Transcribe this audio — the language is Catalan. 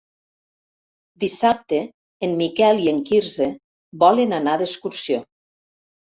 Dissabte en Miquel i en Quirze volen anar d'excursió.